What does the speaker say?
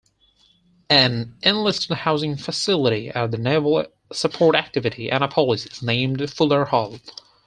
An enlisted housing facility at the Naval Support Activity Annapolis is named Fuller Hall.